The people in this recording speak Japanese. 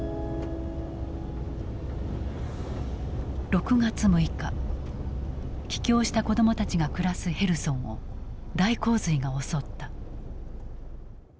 ６月６日帰郷した子どもたちが暮らすヘルソンを大洪水が襲った。